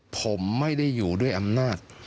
ผมไม่ได้อยู่ด้วยอำนาจ